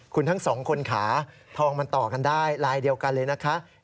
คุณทั้งสองคนขาทองมันต่อกันได้ลายเดียวกันเลยนะคะ